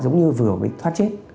giống như vừa mới thoát chết